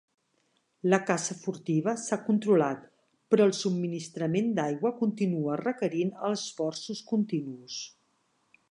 La caça furtiva s'ha controlat, però el subministrament d'aigua continua requerint esforços continus.